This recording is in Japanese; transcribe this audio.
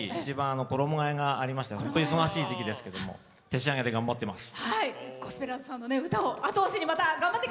衣がえがありまして一番本当に忙しい時期ですけども手仕上げで頑張ってます。